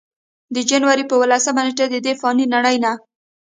د جنورۍ پۀ اولسمه نېټه ددې فانې نړۍ نه